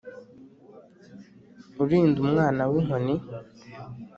Urinda umwana we inkoni